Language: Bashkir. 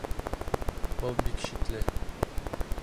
Был бик шикле!